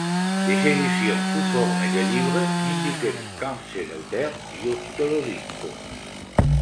Les éditions sous forme de livre n'indiquaient qu'un seul auteur, Giusto Lo Dico.